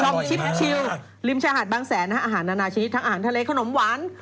ช่องชิปชิลริมชาหัสบางแสนอาหารอาณาชนิดทั้งอาหารทะเลขนมหวาน